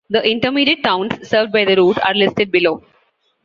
The intermediate towns served by the route are listed below.